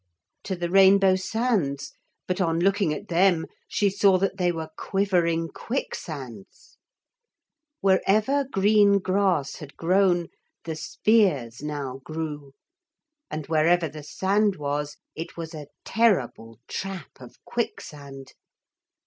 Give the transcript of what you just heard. To the rainbow sands but on looking at them she saw that they were quivering quicksands. Wherever green grass had grown the spears now grew; and wherever the sand was it was a terrible trap of quicksand.